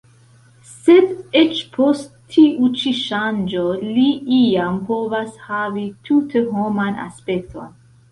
Sed eĉ post tiu ĉi ŝanĝo li iam povas havi tute homan aspekton.